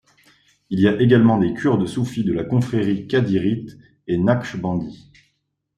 Il y a également des Kurdes soufis de la confrérie qadirite, et naqshbandie.